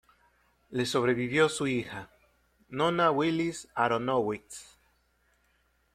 Le sobrevivió su hija, Nona Willis-Aronowitz.